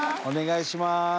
お願いします。